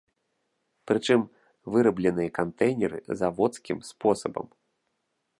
Прычым, вырабленыя кантэйнеры заводскім спосабам.